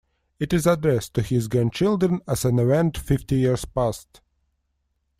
It is addressed to his grandchildren as an event fifty years past.